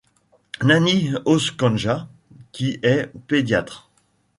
Nani Oskanjan qui est pédiatre.